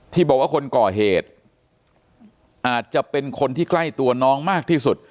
ที่บอกว่าคนก่อเหตุอาจจะเป็นคนที่ใกล้ตัวน้องมากที่สุด